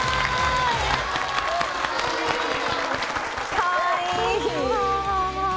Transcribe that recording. かわいい！